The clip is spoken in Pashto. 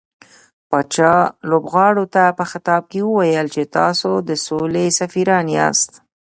پاچا لوبغاړو ته په خطاب کې وويل چې تاسو د سولې سفيران ياست .